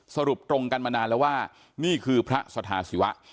สรุปตรงกันมานานแล้วว่านี่คือพระสถาศิวะ